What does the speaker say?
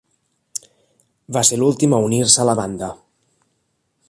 Va ser l'últim a unir-se a la banda.